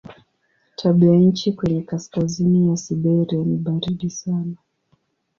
Tabianchi kwenye kaskazini ya Siberia ni baridi sana.